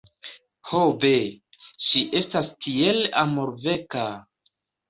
Ho ve! Ŝi estas tiel amorveka!!!